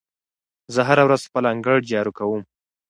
زه هره ورځ خپل انګړ جارو کوم.